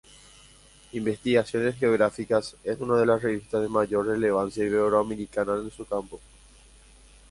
Investigaciones Geográficas es una de las revistas de mayor relevancia iberoamericana en su campo.